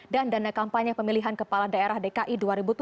dan dana kampanye pemilihan kepala daerah dki dua ribu tujuh belas